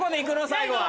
最後は。